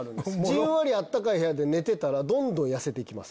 じんわり暖かい部屋で寝てたらどんどん痩せていきます。